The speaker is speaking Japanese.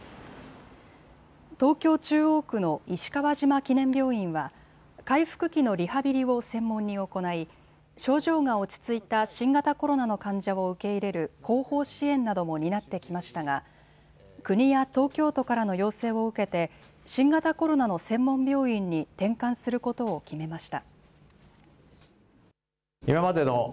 東京中央区の石川島記念病院は回復期のリハビリを専門に行い症状が落ち着いた新型コロナの患者を受け入れる後方支援なども担ってきましたが国や東京都からの要請を受けて新型コロナの専門病院に転換することを決めました。